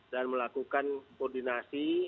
dan melakukan koordinasi